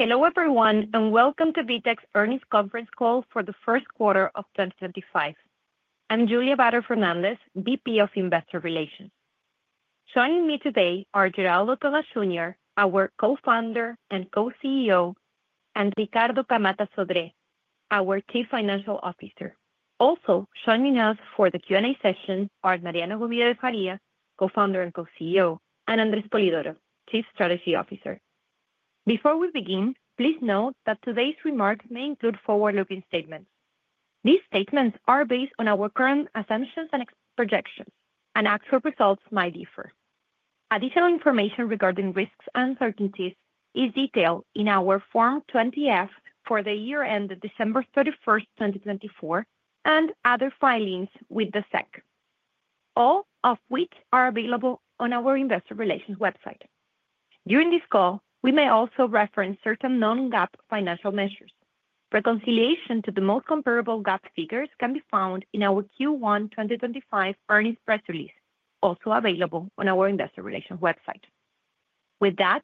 Hello everyone and welcome to VTEX earnings conference call for the first quarter of 2025. I'm Julia Vater Fernández, VP of Investor Relations. Joining me today are Geraldo Thomaz Júnior, our Co-Founder and Co-CEO, and Ricardo Camatta Sodré, our Chief Financial Officer. Also joining us for the Q&A session are Mariano Gomide de Faria, Co-Founder and Co-CEO, and André Spolidoro, Chief Strategy Officer. Before we begin, please note that today's remarks may include forward-looking statements. These statements are based on our current assumptions and projections, and actual results might differ. Additional information regarding risks and certainties is detailed in our Form 20-F for the year ended December 31st, 2024, and other filings with the SEC, all of which are available on our Investor Relations website. During this call, we may also reference certain non-GAAP financial measures. Reconciliation to the most comparable GAAP figures can be found in our Q1 2025 earnings press release, also available on our Investor Relations website. With that,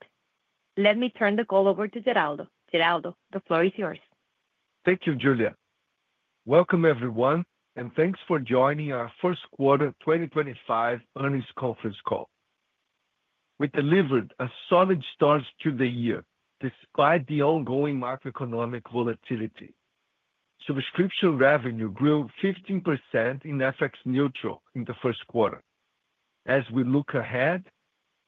let me turn the call over to Geraldo. Geraldo, the floor is yours. Thank you, Julia. Welcome everyone, and thanks for joining our first quarter 2025 earnings conference call. We delivered a solid start to the year despite the ongoing macroeconomic volatility. Subscription revenue grew 15% in FX-neutral in the first quarter. As we look ahead,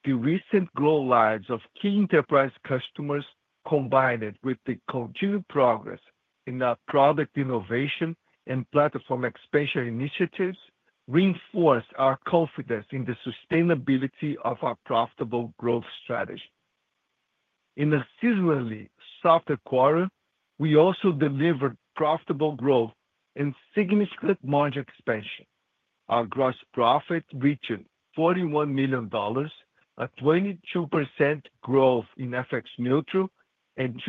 the recent growth lives of key enterprise customers, combined with the continued progress in our product innovation and platform expansion initiatives, reinforced our confidence in the sustainability of our profitable growth strategy. In a seasonally softer quarter, we also delivered profitable growth and significant margin expansion. Our gross profit reached $41 million, a 22% growth in FX-neutral and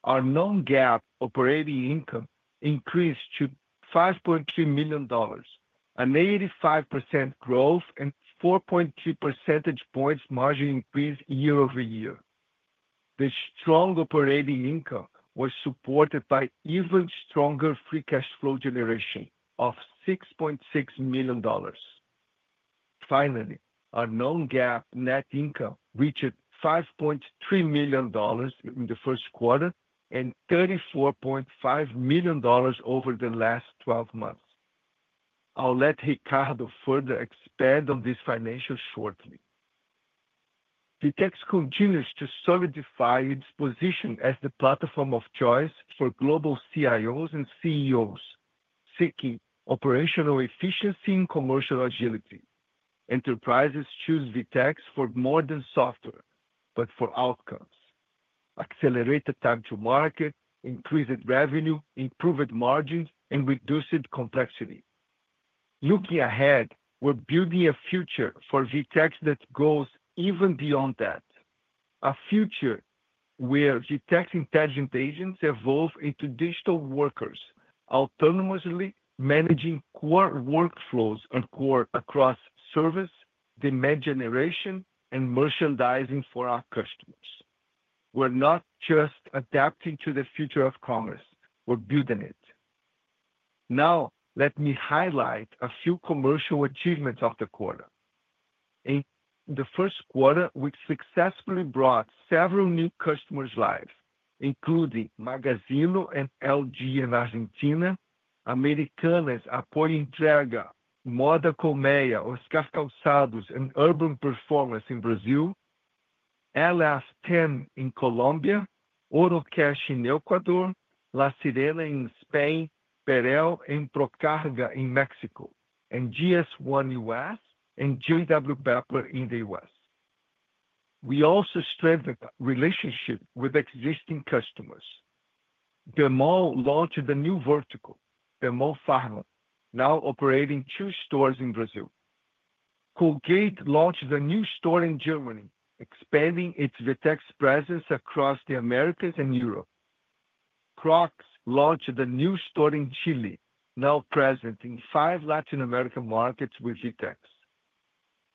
3.7 percentage points margin increase year-over-year. Additionally, our non-GAAP operating income increased to $5.3 million, an 85% growth and 4.2 percentage points margin increase year-over-year. The strong operating income was supported by even stronger free cash flow generation of $6.6 million. Finally, our non-GAAP net income reached $5.3 million in the first quarter and $34.5 million over the last 12 months. I'll let Ricardo further expand on this financial shortly. VTEX continues to solidify its position as the platform of choice for global CIOs and CEOs seeking operational efficiency and commercial agility. Enterprises choose VTEX for more than software, but for outcomes: accelerated time to market, increased revenue, improved margins, and reduced complexity. Looking ahead, we're building a future for VTEX that goes even beyond that. A future where VTEX intelligent agents evolve into digital workers, autonomously managing core workflows and core across service, demand generation, and merchandising for our customers. We're not just adapting to the future of commerce; we're building it. Now, let me highlight a few commercial achievements of the quarter. In the first quarter, we successfully brought several new customers live, including Magazzino and LG in Argentina, Americanas, Apoio Entrega, Moda Colmeia, Oscar Calçados, and Urban Performance in Brazil, LF10 in Colombia, Orocash in Ecuador, La Sirena in Spain, Berel and Procarga in Mexico, and GS1 US and J.W. Pepper in the U.S. We also strengthened relationships with existing customers. Bemol launched a new vertical, Bemol Pharma, now operating two stores in Brazil. Colgate launched a new store in Germany, expanding its VTEX presence across the Americas and Europe. Crocs launched a new store in Chile, now present in five Latin American markets with VTEX.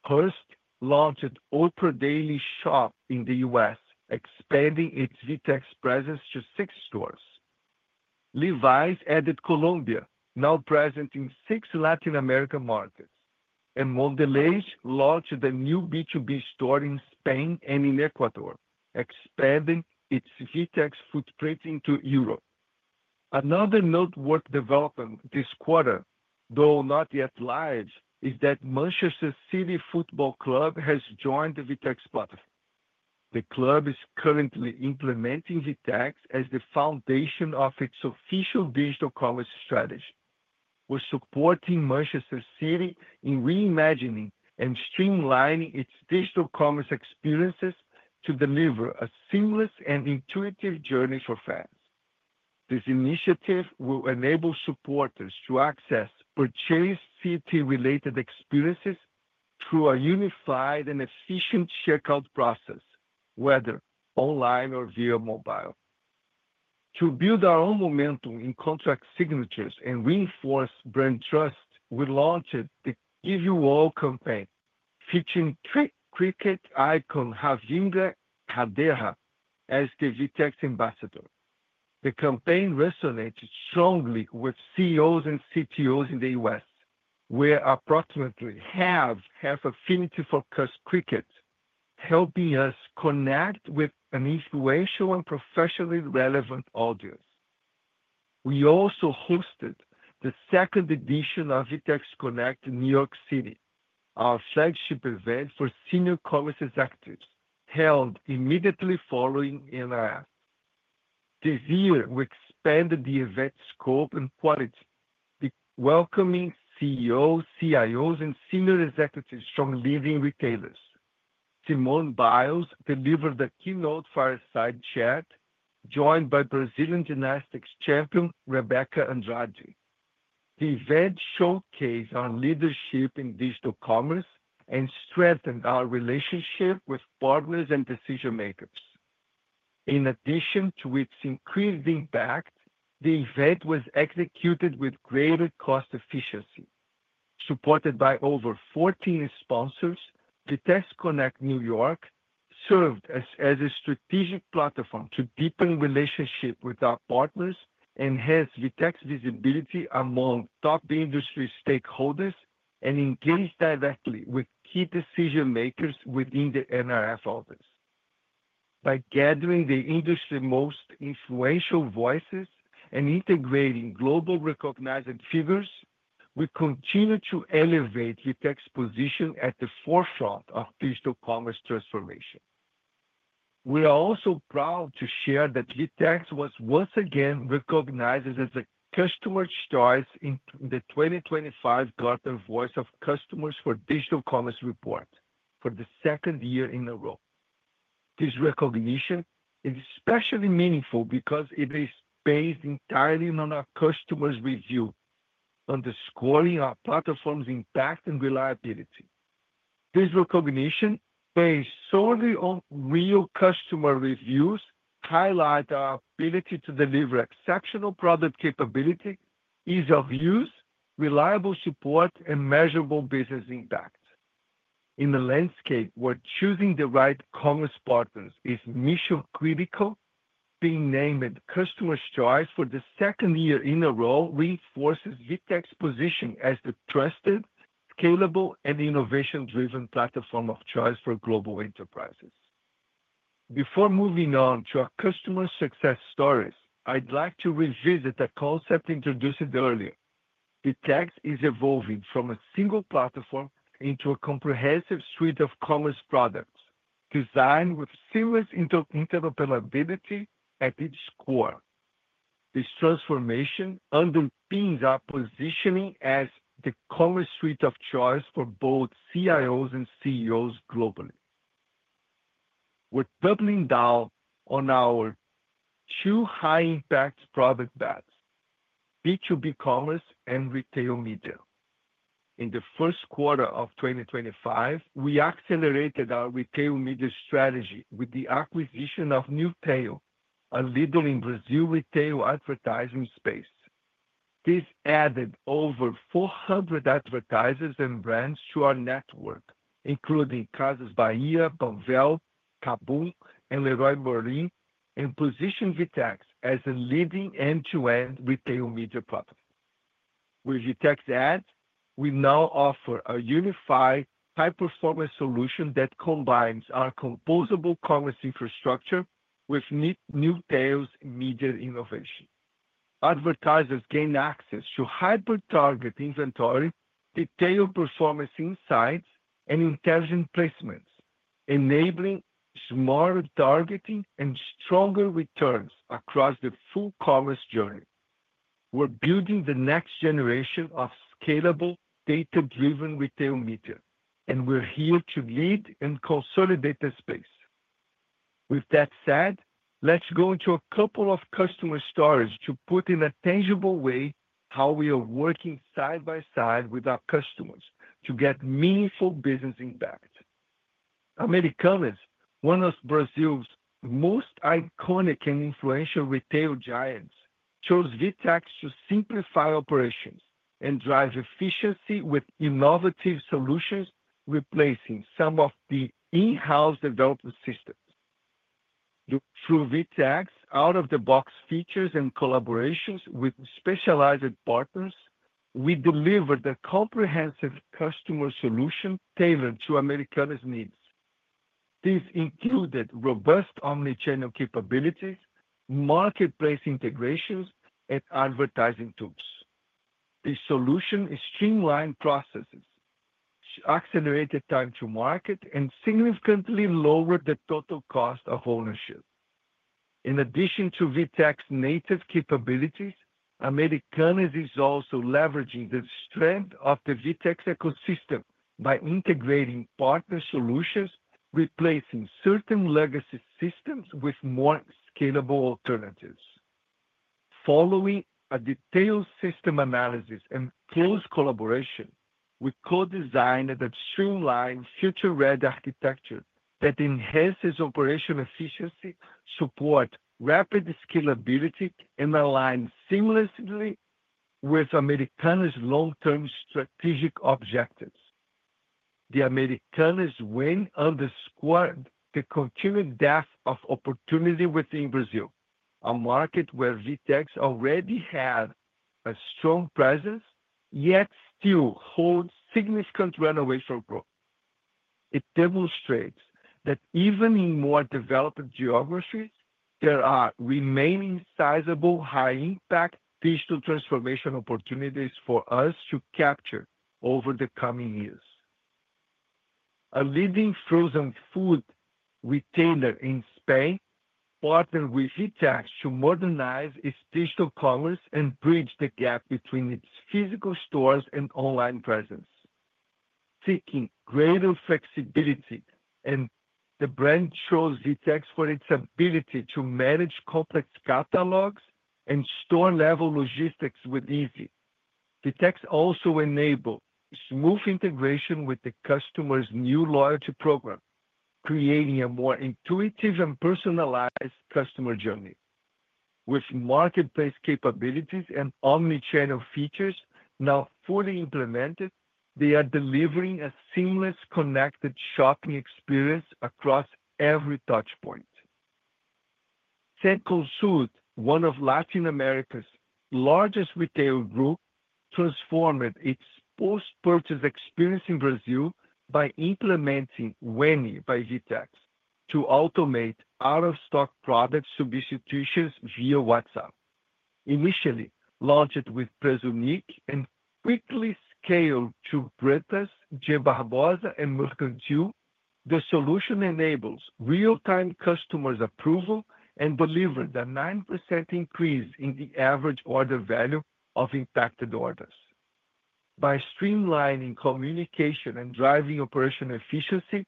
Hearst launched Oprah Daily Shop in the U.S., expanding its VTEX presence to six stores. Levi's added Colombia, now present in six Latin American markets. Mondelēz launched a new B2B store in Spain and in Ecuador, expanding its VTEX footprint into Europe. Another noteworthy development this quarter, though not yet live, is that Manchester City Football Club has joined the VTEX platform. The club is currently implementing VTEX as the foundation of its official digital commerce strategy. We're supporting Manchester City in reimagining and streamlining its digital commerce experiences to deliver a seamless and intuitive journey for fans. This initiative will enable supporters to access purchase City related experiences through a unified and efficient checkout process, whether online or via mobile. To build our own momentum in contract signatures and reinforce brand trust, we launched the Give You All campaign, featuring cricket icon Ravindra Jadeja as the VTEX ambassador. The campaign resonated strongly with CEOs and CTOs in the U.S., where approximately half have affinity for cricket, helping us connect with an influential and professionally relevant audience. We also hosted the second edition of VTEX Connect in New York City, our flagship event for senior commerce executives, held immediately following NRF. This year, we expanded the event scope and quality, welcoming CEOs, CIOs, and senior executives from leading retailers. Simone Biles delivered the keynote for our side chat, joined by Brazilian gymnastics champion Rebeca Andrade. The event showcased our leadership in digital commerce and strengthened our relationship with partners and decision-makers. In addition to its increased impact, the event was executed with greater cost efficiency. Supported by over 14 sponsors, VTEX Connect New York served as a strategic platform to deepen relationships with our partners, enhance VTEX visibility among top industry stakeholders, and engage directly with key decision-makers within the NRF office. By gathering the industry's most influential voices and integrating globally recognized figures, we continue to elevate VTEX's position at the forefront of digital commerce transformation. We are also proud to share that VTEX was once again recognized as a customer choice in the 2025 Gartner Voice of Customers for Digital Commerce report for the second year in a row. This recognition is especially meaningful because it is based entirely on our customers' review, underscoring our platform's impact and reliability. This recognition, based solely on real customer reviews, highlights our ability to deliver exceptional product capability, ease of use, reliable support, and measurable business impact. In the landscape where choosing the right commerce partners is mission-critical, being named a customer choice for the second year in a row reinforces VTEX's position as the trusted, scalable, and innovation-driven platform of choice for global enterprises. Before moving on to our customer success stories, I'd like to revisit the concept introduced earlier. VTEX is evolving from a single platform into a comprehensive suite of commerce products designed with seamless interoperability at each core. This transformation underpins our positioning as the commerce suite of choice for both CIOs and CEOs globally. We're doubling down on our two high-impact product bets: B2B commerce and retail media. In the first quarter of 2025, we accelerated our retail media strategy with the acquisition of Newtail, a leader in Brazil's retail advertising space. This added over 400 advertisers and brands to our network, including Casas Bahia, Panvel, KaBuM!, and Leroy Merlin, and positioned VTEX as a leading end-to-end retail media platform. With VTEX added, we now offer a unified, high-performance solution that combines our composable commerce infrastructure with Newtail's media innovation. Advertisers gain access to hyper-targeted inventory, retail performance insights, and intelligent placements, enabling smart targeting and stronger returns across the full commerce journey. We're building the next generation of scalable, data-driven retail media, and we're here to lead and consolidate the space. With that said, let's go into a couple of customer stories to put in a tangible way how we are working side by side with our customers to get meaningful business impact. Americanas, one of Brazil's most iconic and influential retail giants, chose VTEX to simplify operations and drive efficiency with innovative solutions replacing some of the in-house development systems. Through VTEX's out-of-the-box features and collaborations with specialized partners, we delivered a comprehensive customer solution tailored to Americanas' needs. This included robust omnichannel capabilities, marketplace integrations, and advertising tools. This solution streamlined processes, accelerated time to market, and significantly lowered the total cost of ownership. In addition to VTEX's native capabilities, Americanas is also leveraging the strength of the VTEX ecosystem by integrating partner solutions, replacing certain legacy systems with more scalable alternatives. Following a detailed system analysis and close collaboration, we co-designed a streamlined future-ready architecture that enhances operational efficiency, supports rapid scalability, and aligns seamlessly with Americanas' long-term strategic objectives. The Americanas win underscored the continued depth of opportunity within Brazil, a market where VTEX already had a strong presence yet still holds significant renovation growth. It demonstrates that even in more developed geographies, there are remaining sizable, high-impact digital transformation opportunities for us to capture over the coming years. A leading frozen food retailer in Spain partnered with VTEX to modernize its digital commerce and bridge the gap between its physical stores and online presence. Seeking greater flexibility, the brand chose VTEX for its ability to manage complex catalogs and store-level logistics with ease. VTEX also enabled smooth integration with the customer's new loyalty program, creating a more intuitive and personalized customer journey. With marketplace capabilities and omnichannel features now fully implemented, they are delivering a seamless, connected shopping experience across every touchpoint. Cencosud, one of Latin America's largest retail groups, transformed its post-purchase experience in Brazil by implementing Weni by VTEX to automate out-of-stock product substitutions via WhatsApp. Initially launched with Prezunic and quickly scaled to Bretas, GBarbosa, and Mercantil, the solution enables real-time customer approval and delivers a 9% increase in the average order value of impacted orders. By streamlining communication and driving operational efficiency,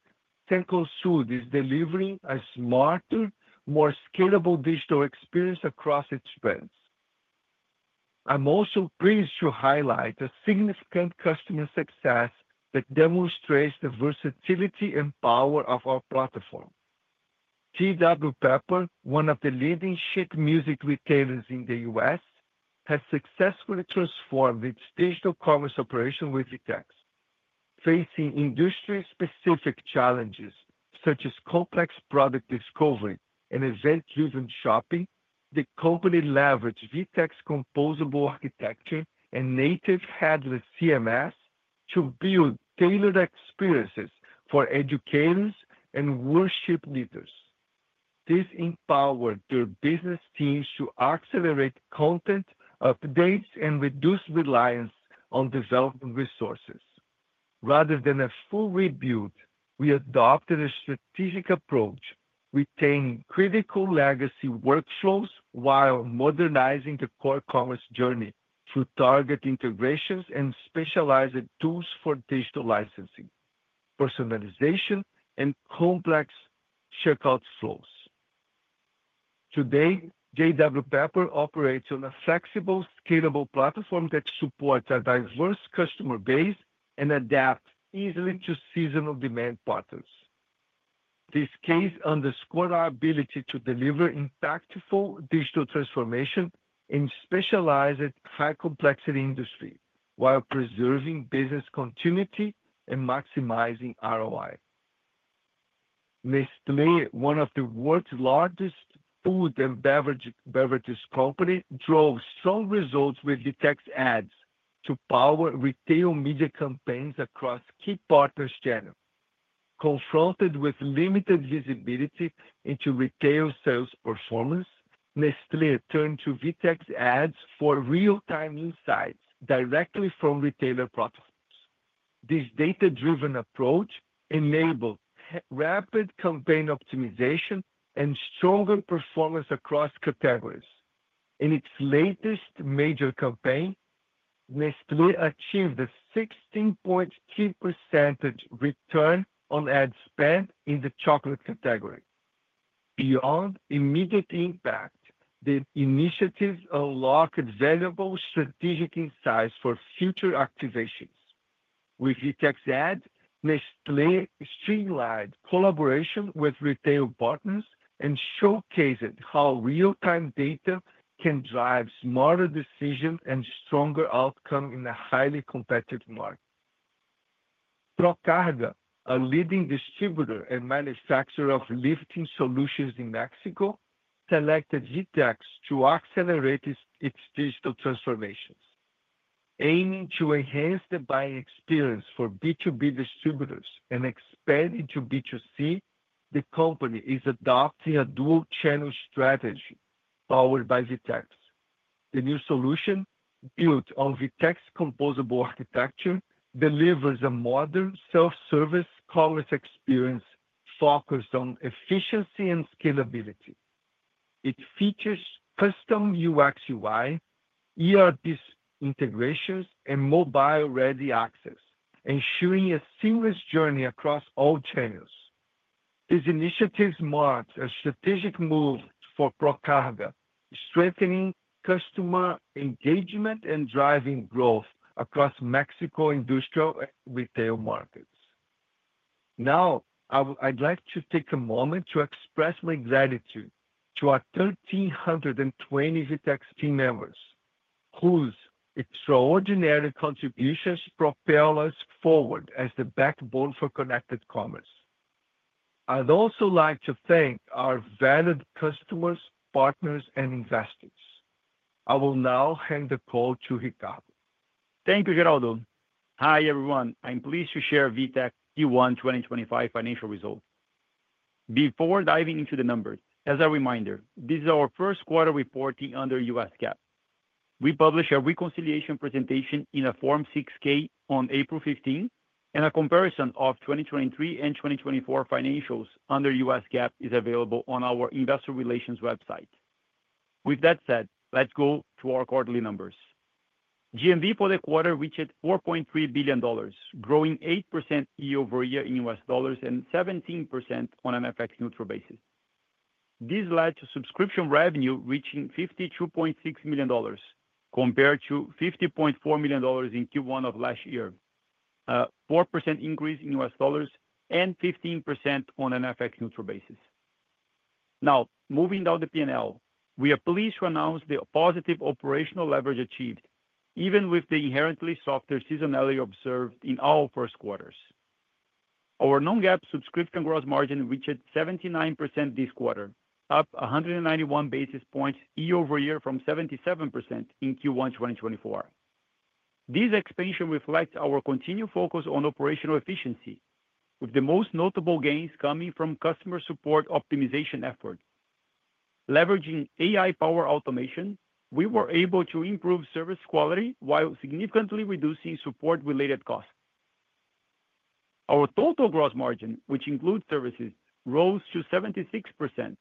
Cencosud is delivering a smarter, more scalable digital experience across its brands. I'm also pleased to highlight a significant customer success that demonstrates the versatility and power of our platform. J.W. Pepper, one of the leading sheet music retailers in the U.S., has successfully transformed its digital commerce operation with VTEX. Facing industry-specific challenges such as complex product discovery and event-driven shopping, the company leveraged VTEX composable architecture and native headless CMS to build tailored experiences for educators and worship leaders. This empowered their business teams to accelerate content updates and reduce reliance on development resources. Rather than a full rebuild, we adopted a strategic approach, retaining critical legacy workflows while modernizing the core commerce journey through targeted integrations and specialized tools for digital licensing, personalization, and complex checkout flows. Today, J.W. Pepper operates on a flexible, scalable platform that supports a diverse customer base and adapts easily to seasonal demand patterns. This case underscored our ability to deliver impactful digital transformation in specialized high-complexity industries while preserving business continuity and maximizing ROI. Nestlé, one of the world's largest food and beverage companies, drove strong results with VTEX Ads to power retail media campaigns across key partner channels. Confronted with limited visibility into retail sales performance, Nestlé turned to VTEX Ads for real-time insights directly from retailer platforms. This data-driven approach enabled rapid campaign optimization and stronger performance across categories. In its latest major campaign, Nestlé achieved a 16.3% return on ad spend in the chocolate category. Beyond immediate impact, the initiative unlocked valuable strategic insights for future activations. With VTEX Ads, Nestlé streamlined collaboration with retail partners and showcased how real-time data can drive smarter decisions and stronger outcomes in a highly competitive market. Procarga, a leading distributor and manufacturer of lifting solutions in Mexico, selected VTEX to accelerate its digital transformations. Aiming to enhance the buying experience for B2B distributors and expand into B2C, the company is adopting a dual-channel strategy powered by VTEX. The new solution, built on VTEX composable architecture, delivers a modern self-service commerce experience focused on efficiency and scalability. It features custom UX/UI, ERP integrations, and mobile-ready access, ensuring a seamless journey across all channels. This initiative marks a strategic move for Procarga, strengthening customer engagement and driving growth across Mexico's industrial and retail markets. Now, I'd like to take a moment to express my gratitude to our 1,320 VTEX team members, whose extraordinary contributions propel us forward as the backbone for connected commerce. I'd also like to thank our valued customers, partners, and investors. I will now hand the call to Ricardo. Thank you, Geraldo. Hi, everyone. I'm pleased to share VTEX Q1 2025 financial results. Before diving into the numbers, as a reminder, this is our first quarter reporting under U.S. GAAP. We published a reconciliation presentation in a Form 6-K on April 15, and a comparison of 2023 and 2024 financials under U.S. GAAP is available on our Investor Relations website. With that said, let's go to our quarterly numbers. GMV for the quarter reached $4.3 billion, growing 8% year-over-year in U.S. dollars and 17% on an FX-neutral basis. This led to subscription revenue reaching $52.6 million, compared to $50.4 million in Q1 of last year, a 4% increase in U.S. dollars and 15% on an FX-neutral basis. Now, moving down the P&L, we are pleased to announce the positive operational leverage achieved, even with the inherently softer seasonality observed in all first quarters. Our non-GAAP subscription gross margin reached 79% this quarter, up 191 basis points year-over-year from 77% in Q1 2024. This expansion reflects our continued focus on operational efficiency, with the most notable gains coming from customer support optimization efforts. Leveraging AI-powered automation, we were able to improve service quality while significantly reducing support-related costs. Our total gross margin, which includes services, rose to 76%,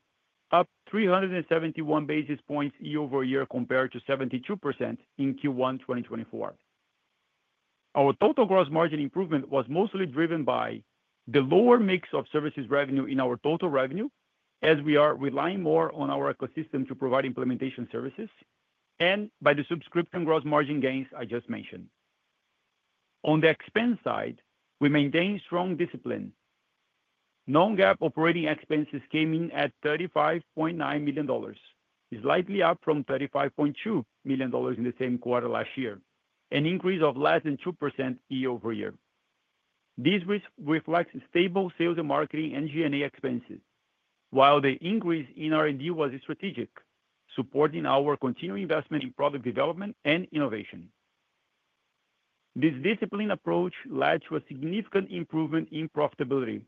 up 371 basis points year-over-year compared to 72% in Q1 2024. Our total gross margin improvement was mostly driven by the lower mix of services revenue in our total revenue, as we are relying more on our ecosystem to provide implementation services, and by the subscription gross margin gains I just mentioned. On the expense side, we maintained strong discipline. Non-GAAP operating expenses came in at $35.9 million, slightly up from $35.2 million in the same quarter last year, an increase of less than 2% year-over-year. This reflects stable sales and marketing and G&A expenses, while the increase in R&D was strategic, supporting our continued investment in product development and innovation. This disciplined approach led to a significant improvement in profitability,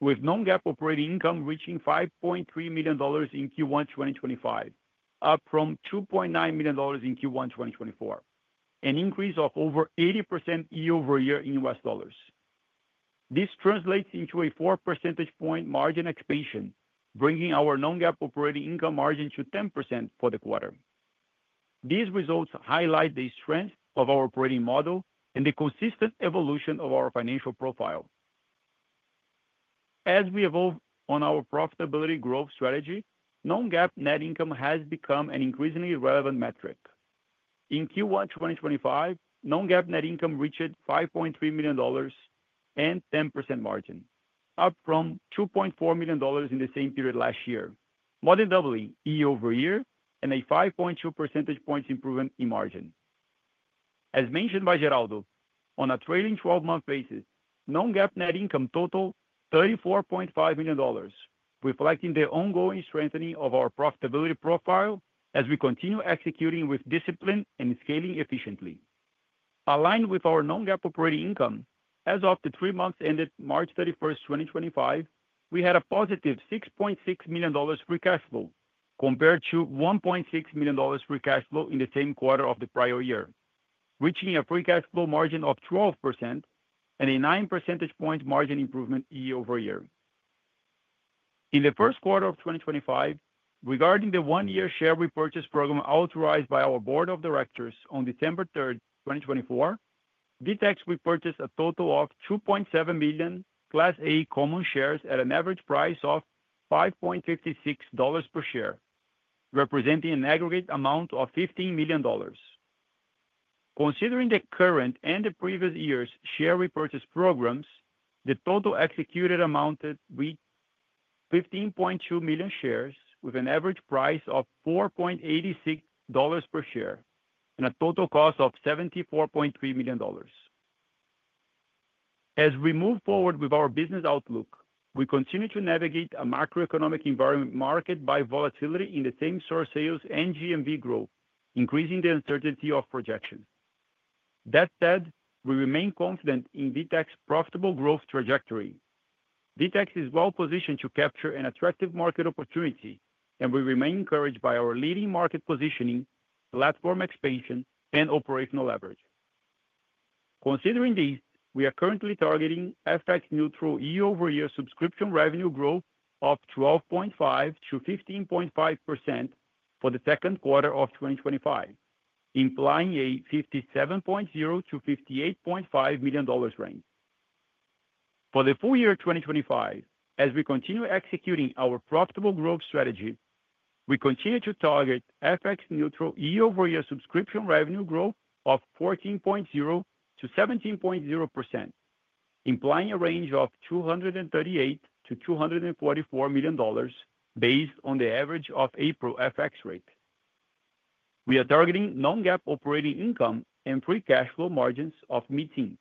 with non-GAAP operating income reaching $5.3 million in Q1 2025, up from $2.9 million in Q1 2024, an increase of over 80% year-over-year in U.S. dollars. This translates into a 4 percentage point margin expansion, bringing our non-GAAP operating income margin to 10% for the quarter. These results highlight the strength of our operating model and the consistent evolution of our financial profile. As we evolve on our profitability growth strategy, non-GAAP net income has become an increasingly relevant metric. In Q1 2025, non-GAAP net income reached $5.3 million and 10% margin, up from $2.4 million in the same period last year, more than doubling year-over-year and a 5.2 percentage points improvement in margin. As mentioned by Geraldo, on a trailing 12-month basis, non-GAAP net income totaled $34.5 million, reflecting the ongoing strengthening of our profitability profile as we continue executing with discipline and scaling efficiently. Aligned with our non-GAAP operating income, as of the three months ended March 31, 2025, we had a positive $6.6 million free cash flow compared to $1.6 million free cash flow in the same quarter of the prior year, reaching a free cash flow margin of 12% and a 9 percentage point margin improvement year-over-year. In the first quarter of 2025, regarding the one-year share repurchase program authorized by our Board of Directors on December 3, 2024, VTEX repurchased a total of 2.7 million Class A common shares at an average price of $5.56 per share, representing an aggregate amount of $15 million. Considering the current and the previous year's share repurchase programs, the total executed amounted to 15.2 million shares, with an average price of $4.86 per share and a total cost of $74.3 million. As we move forward with our business outlook, we continue to navigate a macroeconomic environment marked by volatility in the same source sales and GMV growth, increasing the uncertainty of projection. That said, we remain confident in VTEX's profitable growth trajectory. VTEX is well-positioned to capture an attractive market opportunity, and we remain encouraged by our leading market positioning, platform expansion, and operational leverage. Considering these, we are currently targeting FX-neutral year-over-year subscription revenue growth of 12.5%-15.5% for the second quarter of 2025, implying a $57.0 million-$58.5 million range. For the full year 2025, as we continue executing our profitable growth strategy, we continue to target FX-neutral year-over-year subscription revenue growth of 14.0%-17.0%, implying a range of $238 million-$244 million based on the average of April FX rate. We are targeting non-GAAP operating income and free cash flow margins of mid teens.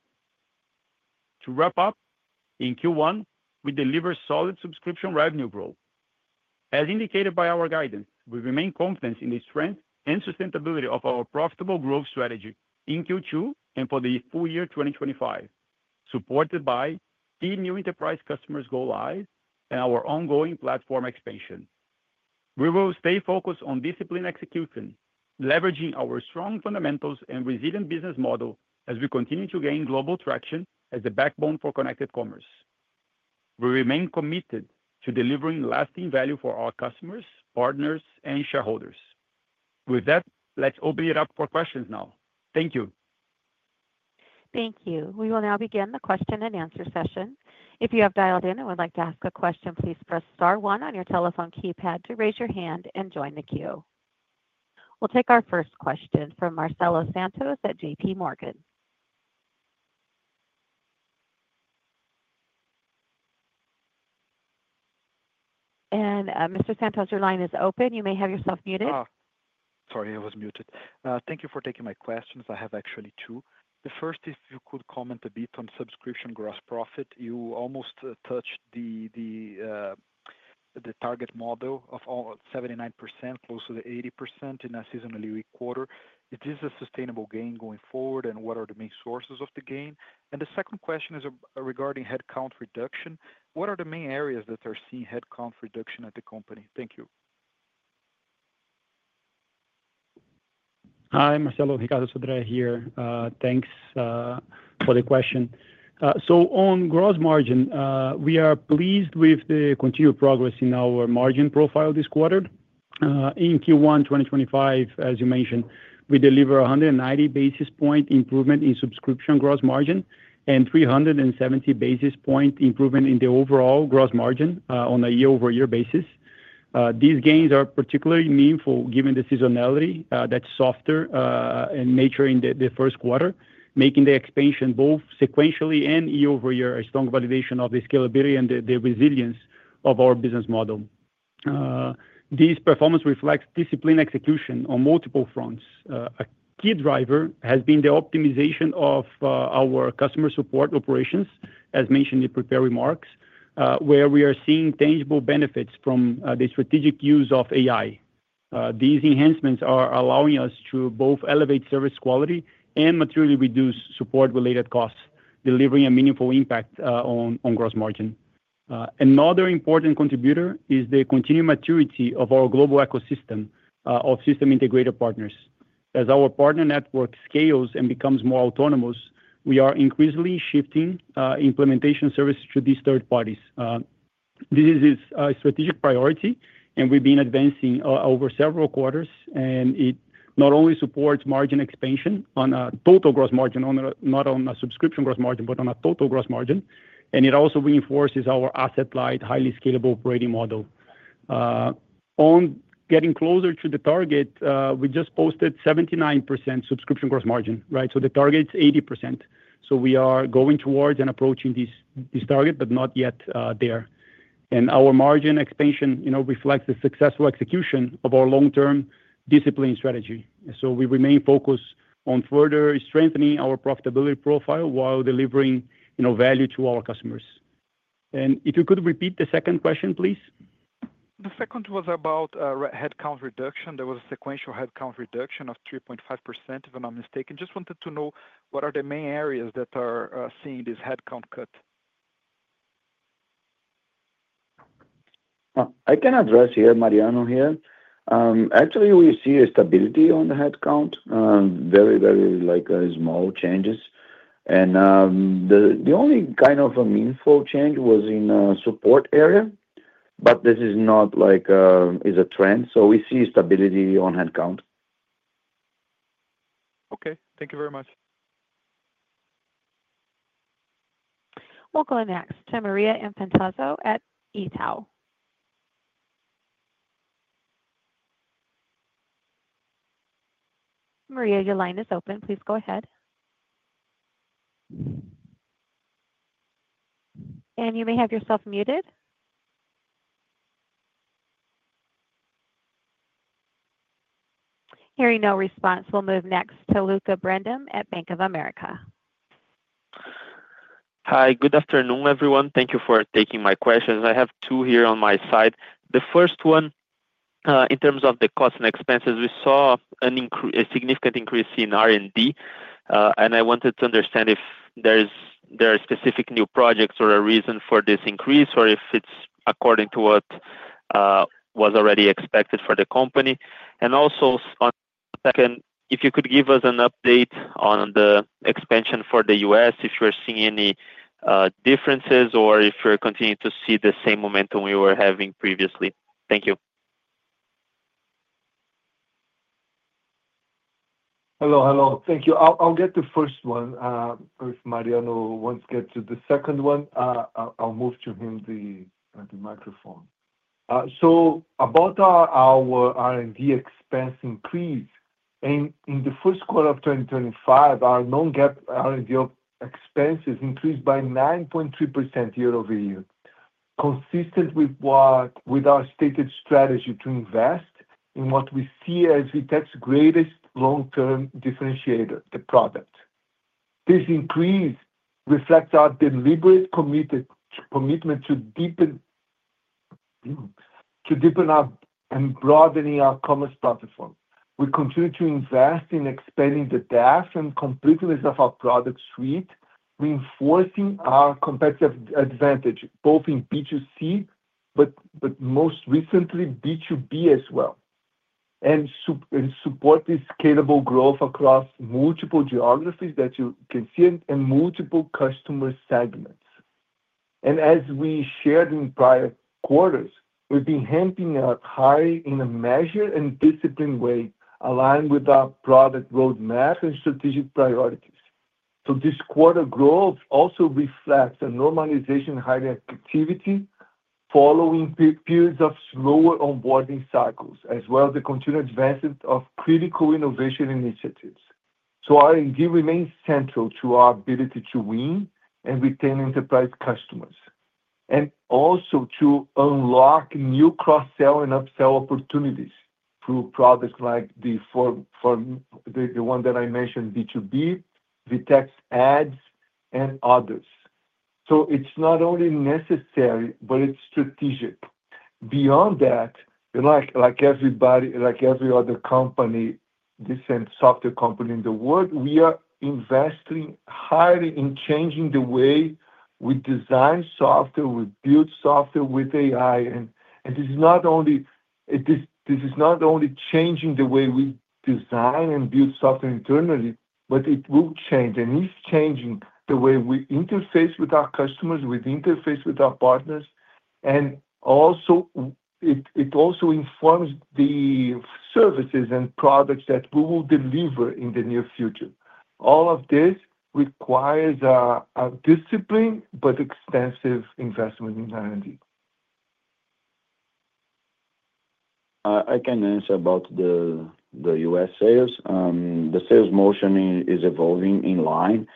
To wrap up, in Q1, we delivered solid subscription revenue growth. As indicated by our guidance, we remain confident in the strength and sustainability of our profitable growth strategy in Q2 and for the full year 2025, supported by key new enterprise customers' goal eyes and our ongoing platform expansion. We will stay focused on discipline execution, leveraging our strong fundamentals and resilient business model as we continue to gain global traction as the backbone for connected commerce. We remain committed to delivering lasting value for our customers, partners, and shareholders. With that, let's open it up for questions now. Thank you. Thank you. We will now begin the question and answer session. If you have dialed in and would like to ask a question, please press star one on your telephone keypad to raise your hand and join the queue. We'll take our first question from Marcelo Santos at JPMorgan. Mr. Santos, your line is open. You may have yourself muted. Sorry, I was muted. Thank you for taking my questions. I have actually two. The first is, if you could comment a bit on subscription gross profit. You almost touched the target model of 79%, close to the 80% in a seasonally weak quarter. Is this a sustainable gain going forward, and what are the main sources of the gain? The second question is regarding headcount reduction. What are the main areas that are seeing headcount reduction at the company? Thank you. Hi, Marcelo, Ricardo Sodré here. Thanks for the question. On gross margin, we are pleased with the continued progress in our margin profile this quarter. In Q1 2025, as you mentioned, we delivered a 190 basis point improvement in subscription gross margin and 370 basis point improvement in the overall gross margin on a year-over-year basis. These gains are particularly meaningful given the seasonality that's softer in nature in the first quarter, making the expansion both sequentially and year-over-year a strong validation of the scalability and the resilience of our business model. This performance reflects disciplined execution on multiple fronts. A key driver has been the optimization of our customer support operations, as mentioned in the prepared remarks, where we are seeing tangible benefits from the strategic use of AI. These enhancements are allowing us to both elevate service quality and materially reduce support-related costs, delivering a meaningful impact on gross margin. Another important contributor is the continued maturity of our global ecosystem of system integrator partners. As our partner network scales and becomes more autonomous, we are increasingly shifting implementation services to these third parties. This is a strategic priority, and we've been advancing over several quarters, and it not only supports margin expansion on a total gross margin, not on a subscription gross margin, but on a total gross margin, and it also reinforces our asset-light, highly scalable operating model. On getting closer to the target, we just posted 79% subscription gross margin, right? The target's 80%. We are going towards and approaching this target, but not yet there. Our margin expansion reflects the successful execution of our long-term discipline strategy. We remain focused on further strengthening our profitability profile while delivering value to our customers. If you could repeat the second question, please. The second was about headcount reduction. There was a sequential headcount reduction of 3.5%, if I'm not mistaken. Just wanted to know what are the main areas that are seeing this headcount cut. I can address here, Mariano here. Actually, we see a stability on the headcount, very, very small changes. The only kind of meaningful change was in support area, but this is not like a trend. We see stability on headcount. Okay. Thank you very much. We'll go next to Maria Infantozzi at Itaú. Maria, your line is open. Please go ahead. You may have yourself muted. Hearing no response, we'll move next to Lucca Brendim at Bank of America. Hi. Good afternoon, everyone. Thank you for taking my questions. I have two here on my side. The first one, in terms of the costs and expenses, we saw a significant increase in R&D, and I wanted to understand if there are specific new projects or a reason for this increase, or if it's according to what was already expected for the company. Also, if you could give us an update on the expansion for the U.S., if you're seeing any differences, or if you're continuing to see the same momentum we were having previously. Thank you. Hello, hello. Thank you. I'll get the first one. If Mariano wants to get to the second one, I'll move to him the microphone. About our R&D expense increase, in the first quarter of 2025, our non-GAAP R&D expenses increased by 9.3% year-over-year, consistent with our stated strategy to invest in what we see as VTEX's greatest long-term differentiator, the product. This increase reflects our deliberate commitment to deepening our and broadening our commerce platform. We continue to invest in expanding the DAF and completeness of our product suite, reinforcing our competitive advantage both in B2C, but most recently, B2B as well, and support this scalable growth across multiple geographies that you can see and multiple customer segments. As we shared in prior quarters, we've been hampering our hire in a measured and disciplined way, aligned with our product roadmap and strategic priorities. This quarter growth also reflects a normalization in hire activity following periods of slower onboarding cycles, as well as the continued advancement of critical innovation initiatives. R&D remains central to our ability to win and retain enterprise customers, and also to unlock new cross-sell and upsell opportunities through products like the one that I mentioned, B2B, VTEX Ads, and others. It is not only necessary, but it is strategic. Beyond that, like every other company, this software company in the world, we are investing highly in changing the way we design software, we build software with AI. This is not only changing the way we design and build software internally, but it will change and is changing the way we interface with our customers, we interface with our partners, and it also informs the services and products that we will deliver in the near future. All of this requires a disciplined but extensive investment in R&D. I can answer about the U.S. sales. The sales motion is evolving in line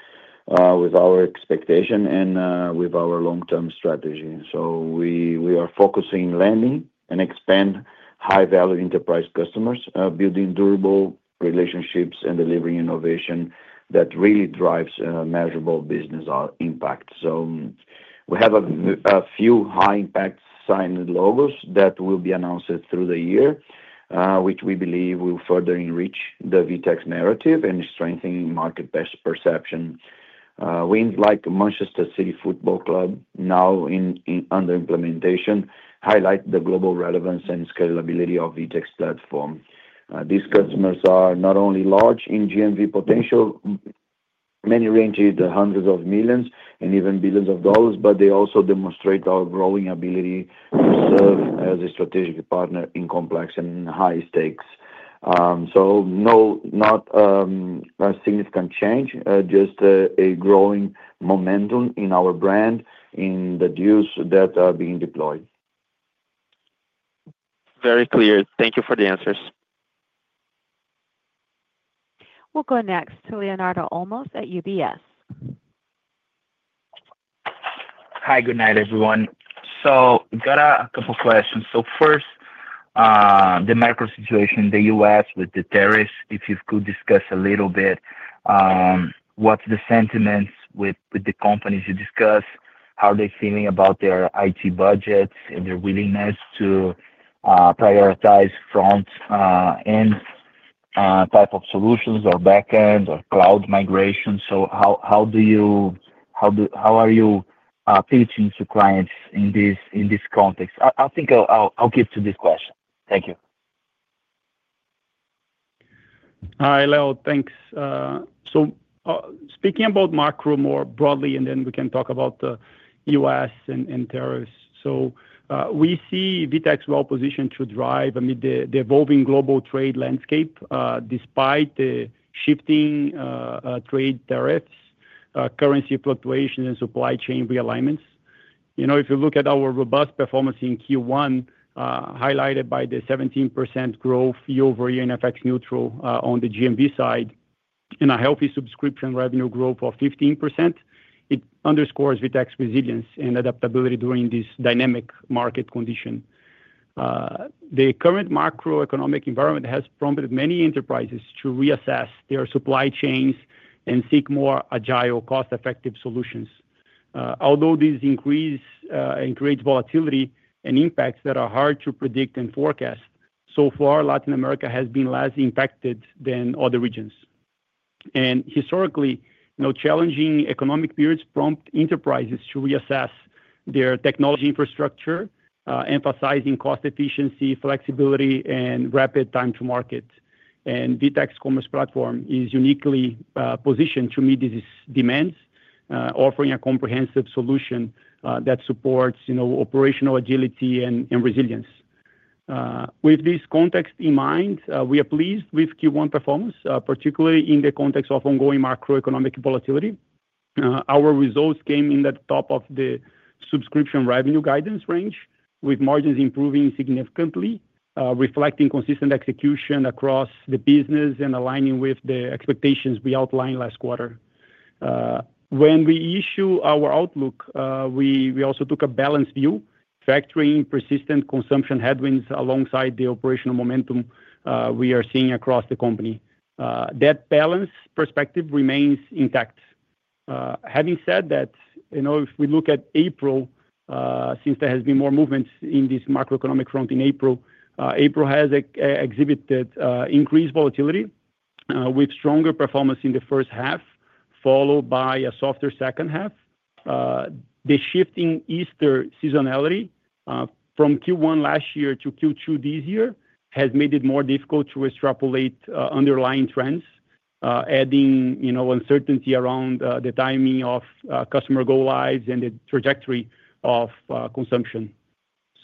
with our expectation and with our long-term strategy. We are focusing on landing and expanding high-value enterprise customers, building durable relationships, and delivering innovation that really drives measurable business impact. We have a few high-impact signed logos that will be announced through the year, which we believe will further enrich the VTEX narrative and strengthen market perception. Wins like Manchester City Football Club, now under implementation, highlight the global relevance and scalability of the VTEX platform. These customers are not only large in GMV potential, many ranging in the hundreds of millions and even billions of dollars, but they also demonstrate our growing ability to serve as a strategic partner in complex and high stakes. Not a significant change, just a growing momentum in our brand in the deals that are being deployed. Very clear. Thank you for the answers. We'll go next to Leonardo Olmos at UBS. Hi. Good night, everyone. I've got a couple of questions. First, the macro situation in the U.S. with the tariffs, if you could discuss a little bit what's the sentiment with the companies you discuss, how they're feeling about their IT budgets and their willingness to prioritize front-end type of solutions or back-end or cloud migration. How are you pitching to clients in this context? I think I'll keep to this question. Thank you. Hi, Leo. Thanks. Speaking about macro more broadly, and then we can talk about the U.S. and tariffs. We see VTEX well-positioned to drive the evolving global trade landscape despite the shifting trade tariffs, currency fluctuations, and supply chain realignments. If you look at our robust performance in Q1, highlighted by the 17% growth year-over-year in FX-neutral on the GMV side and a healthy subscription revenue growth of 15%, it underscores VTEX resilience and adaptability during this dynamic market condition. The current macroeconomic environment has prompted many enterprises to reassess their supply chains and seek more agile, cost-effective solutions. Although this increase creates volatility and impacts that are hard to predict and forecast, so far, Latin America has been less impacted than other regions. Historically, challenging economic periods prompted enterprises to reassess their technology infrastructure, emphasizing cost efficiency, flexibility, and rapid time to market. VTEX Commerce Platform is uniquely positioned to meet these demands, offering a comprehensive solution that supports operational agility and resilience. With this context in mind, we are pleased with Q1 performance, particularly in the context of ongoing macroeconomic volatility. Our results came in the top of the subscription revenue guidance range, with margins improving significantly, reflecting consistent execution across the business and aligning with the expectations we outlined last quarter. When we issue our outlook, we also took a balanced view, factoring persistent consumption headwinds alongside the operational momentum we are seeing across the company. That balanced perspective remains intact. Having said that, if we look at April, since there has been more movement in this macroeconomic front in April, April has exhibited increased volatility with stronger performance in the first half, followed by a softer second half. The shift in Easter seasonality from Q1 last year to Q2 this year has made it more difficult to extrapolate underlying trends, adding uncertainty around the timing of customer go lives and the trajectory of consumption.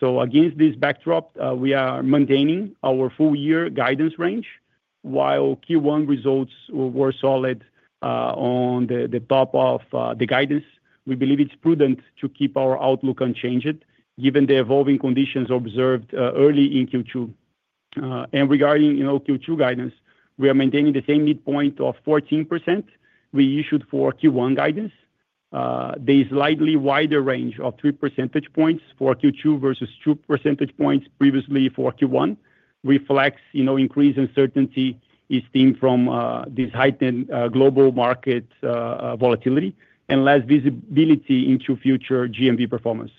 Against this backdrop, we are maintaining our full-year guidance range. While Q1 results were solid on the top of the guidance, we believe it's prudent to keep our outlook unchanged given the evolving conditions observed early in Q2. Regarding Q2 guidance, we are maintaining the same midpoint of 14% we issued for Q1 guidance. The slightly wider range of 3 percentage points for Q2 versus 2 percentage points previously for Q1 reflects increased uncertainty esteemed from this heightened global market volatility and less visibility into future GMV performance.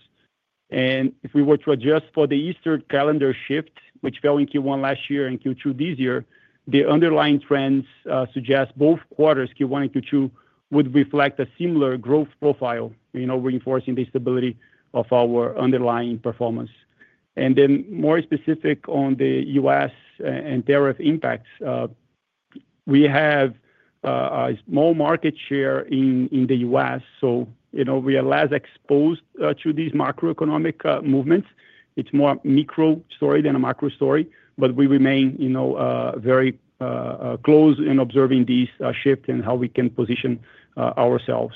If we were to adjust for the Easter calendar shift, which fell in Q1 last year and Q2 this year, the underlying trends suggest both quarters, Q1 and Q2, would reflect a similar growth profile, reinforcing the stability of our underlying performance. More specific on the U.S. and tariff impacts, we have a small market share in the U.S., so we are less exposed to these macroeconomic movements. It's more a micro story than a macro story, but we remain very close in observing this shift and how we can position ourselves.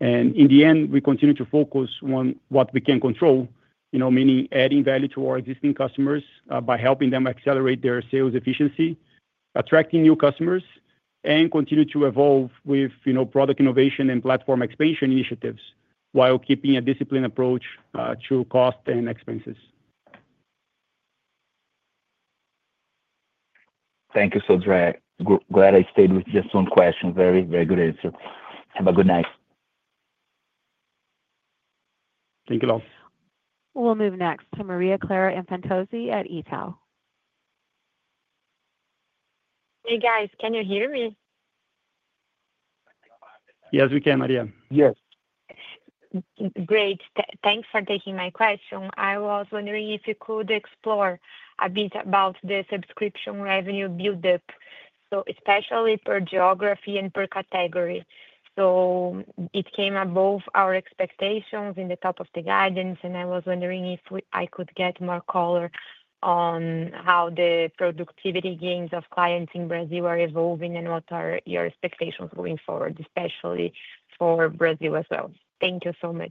In the end, we continue to focus on what we can control, meaning adding value to our existing customers by helping them accelerate their sales efficiency, attracting new customers, and continue to evolve with product innovation and platform expansion initiatives while keeping a disciplined approach to cost and expenses. Thank you so much. Glad I stayed with just one question. Very, very good answer. Have a good night. Thank you all. We'll move next to Maria Clara Infantozzi at Itaú. Hey, guys. Can you hear me? Yes, we can, Maria. Yes. Great. Thanks for taking my question. I was wondering if you could explore a bit about the subscription revenue build-up, so especially per geography and per category. It came above our expectations in the top of the guidance, and I was wondering if I could get more color on how the productivity gains of clients in Brazil are evolving and what are your expectations moving forward, especially for Brazil as well. Thank you so much.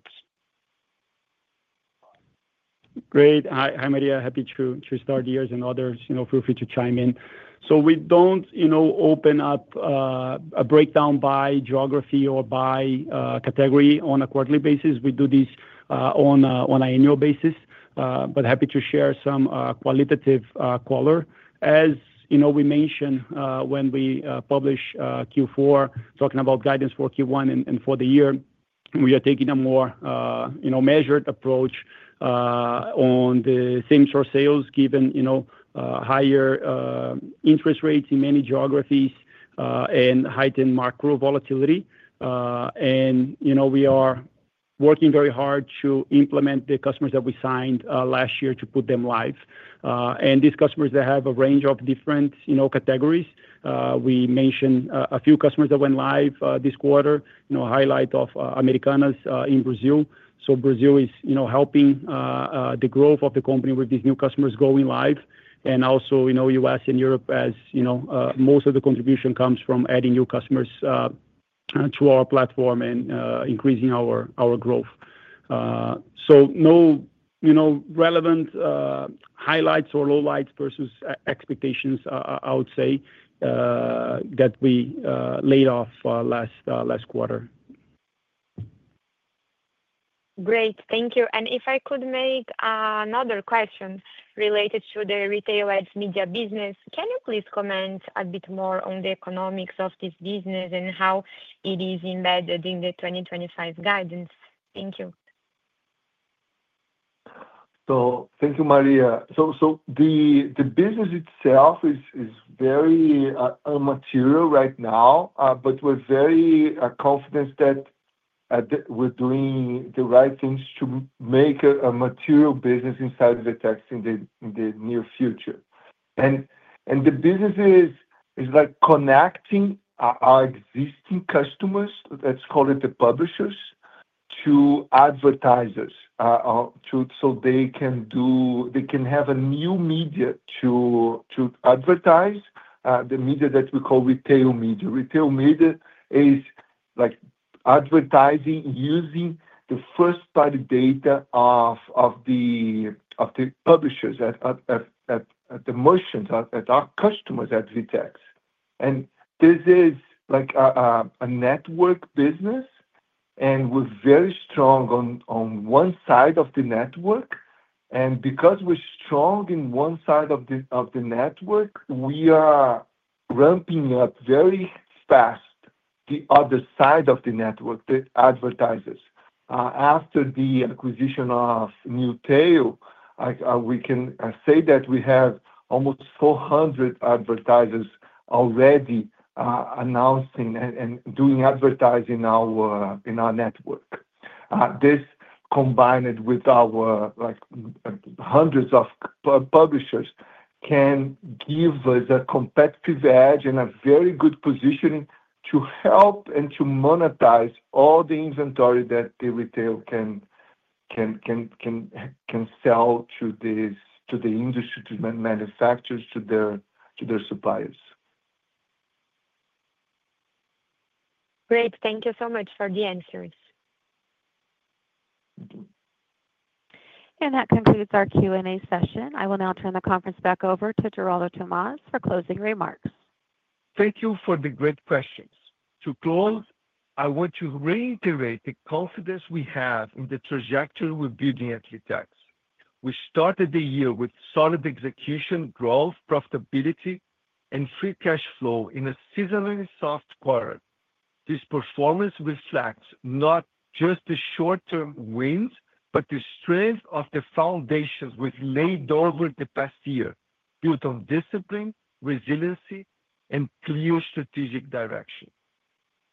Great. Hi, Maria. Happy to start the years and others. Feel free to chime in. We do not open up a breakdown by geography or by category on a quarterly basis. We do this on an annual basis, but happy to share some qualitative color. As we mentioned when we published Q4, talking about guidance for Q1 and for the year, we are taking a more measured approach on the same source sales given higher interest rates in many geographies and heightened macro volatility. We are working very hard to implement the customers that we signed last year to put them live. These customers, they have a range of different categories. We mentioned a few customers that went live this quarter, highlight of Americanas in Brazil. Brazil is helping the growth of the company with these new customers going live. Also, U.S. and Europe as most of the contribution comes from adding new customers to our platform and increasing our growth. No relevant highlights or lowlights versus expectations, I would say, that we laid off last quarter. Great. Thank you. If I could make another question related to the retail ads media business, can you please comment a bit more on the economics of this business and how it is embedded in the 2025 guidance? Thank you. Thank you, Maria. The business itself is very immaterial right now, but we're very confident that we're doing the right things to make a material business inside of VTEX in the near future. The business is connecting our existing customers, let's call it the publishers, to advertisers so they can have a new media to advertise, the media that we call retail media. Retail media is advertising using the first-party data of the publishers, the merchants, our customers at VTEX. This is a network business, and we're very strong on one side of the network. Because we're strong in one side of the network, we are ramping up very fast the other side of the network, the advertisers. After the acquisition of Newtail, we can say that we have almost 400 advertisers already announcing and doing advertising in our network. This, combined with our hundreds of publishers, can give us a competitive edge and a very good position to help and to monetize all the inventory that the retail can sell to the industry, to manufacturers, to their suppliers. Great. Thank you so much for the answers. That concludes our Q&A session. I will now turn the conference back over to Geraldo Thomaz for closing remarks. Thank you for the great questions. To close, I want to reiterate the confidence we have in the trajectory we are building at VTEX. We started the year with solid execution, growth, profitability, and free cash flow in a seasonally soft quarter. This performance reflects not just the short-term wins, but the strength of the foundations we have laid over the past year, built on discipline, resiliency, and clear strategic direction.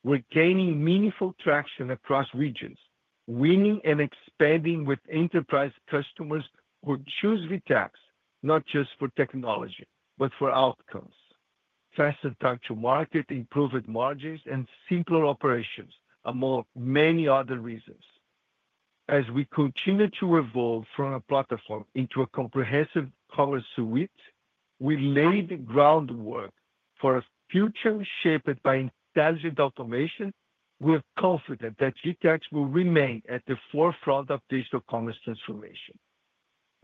We're gaining meaningful traction across regions, winning and expanding with enterprise customers who choose VTEX not just for technology, but for outcomes: faster time to market, improved margins, and simpler operations, among many other reasons. As we continue to evolve from a platform into a comprehensive commerce suite, we laid the groundwork for a future shaped by intelligent automation. We are confident that VTEX will remain at the forefront of digital commerce transformation.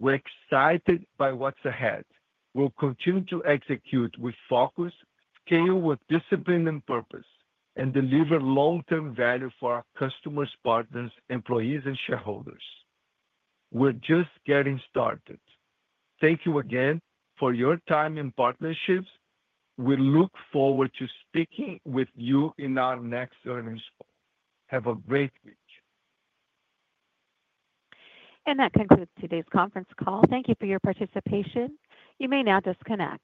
We're excited by what's ahead. We'll continue to execute with focus, scale with discipline and purpose, and deliver long-term value for our customers, partners, employees, and shareholders. We're just getting started. Thank you again for your time and partnerships. We look forward to speaking with you in our next earnings call. Have a great week. That concludes today's conference call. Thank you for your participation. You may now disconnect.